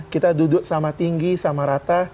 kita duduk sama tinggi sama rata